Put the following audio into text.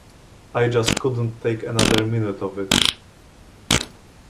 I just couldn't take another minute of it.